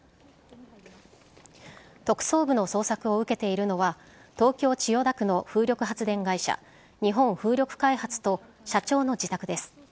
特捜部の捜索を受けているのは東京・千代田区の風力発電会社日本風力開発と社長の自宅です。